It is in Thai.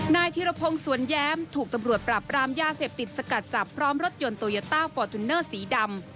นายธิรพงศ์สวนแย้มถูกตำรวจปราบรามยาเสพติดสกัดจับพร้อมรถยนต์โตโยต้าฟอร์จูเนอร์สีดำ